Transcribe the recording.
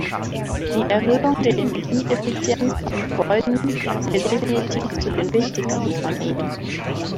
Die Erhöhung der Energieeffizienz von Gebäuden zählt definitiv zu den wichtigsten von ihnen.